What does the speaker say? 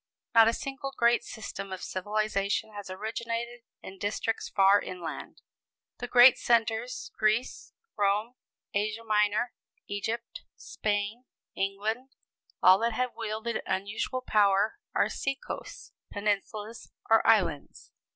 Not a single great system of civilization has originated in districts far inland. The great centers Greece, Rome, Asia Minor, Egypt, Spain, England all that have wielded unusual power are sea coasts, peninsulas or islands.